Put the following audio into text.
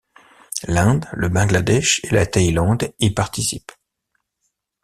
L'Inde, le Bangladesh et la Thaïlande y participent.